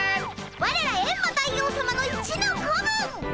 ワレらエンマ大王さまの一の子分！